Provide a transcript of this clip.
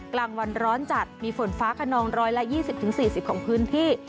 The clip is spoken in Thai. กลางวันร้อนจัดมีฝนฟ้าขนอง๑๒๐๔๐ของพื้นที่